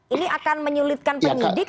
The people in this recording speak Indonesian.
ini akan menyulitkan penyidik